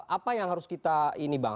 apa yang harus kita ini bang